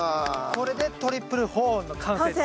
これでトリプル保温の完成と。